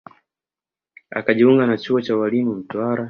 Akajiunga na chuo cha ualimu Mtwara